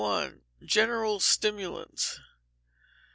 General Stimulants.